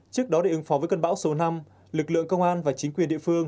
trước đó để ứng phó với cơn bão số năm lực lượng công an và chính quyền địa phương